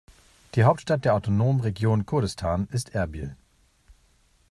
Die Hauptstadt der autonomen Region Kurdistan ist Erbil.